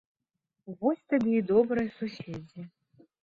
Вось табе і добрыя суседзі.